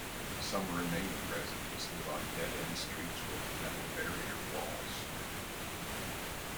Some remaining residents live on dead end streets with metal barrier walls.